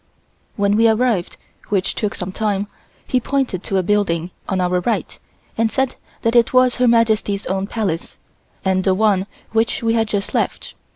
When we arrived, which took some time, he pointed to a building on our right and said that it was Her Majesty's own Palace and the one which we had just left.